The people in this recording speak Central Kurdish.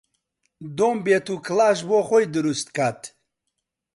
دۆم بێت و کڵاش بۆ خۆی دروست کات